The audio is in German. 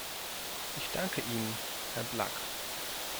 Ich danke Ihnen, Herr Blak.